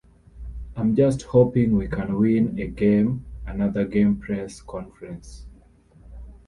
I'm just hoping we can win a game, another game press conference.